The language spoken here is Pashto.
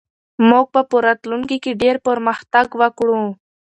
موږ به په راتلونکي کې ډېر پرمختګ وکړو.